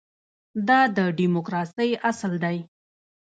دا د ډیموکراسۍ اصل دی.